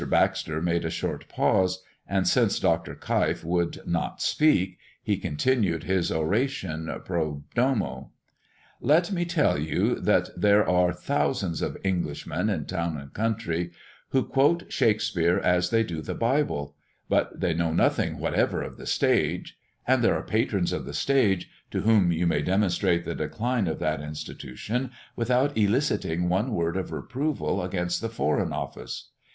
Baxter made a short pause, and, since Dr. Keif would not speak, he continued his oration pro domo. "Let me tell you, that there are thousands of Englishmen in town and country, who quote Shakespere as they do the Bible, but they know nothing whatever of the stage; and there are patrons of the stage, to whom you may demonstrate the decline of that institution, without eliciting one word of reproval against the Foreign Office.